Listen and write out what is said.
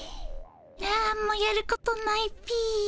なんもやることないっピィ。